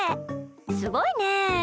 すごいね。